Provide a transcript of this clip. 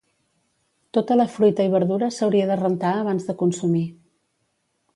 Tota la fruita i verdura s'hauria de rentar abans de consumir.